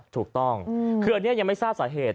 ถูกต้องคืออันนี้ยังไม่ทราบสาเหตุ